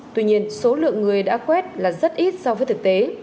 tuy nhiên số lượng người đã quét là rất ít so với thực tế